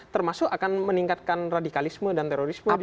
termasuk akan meningkatkan radikalisme dan terorisme di yerusalem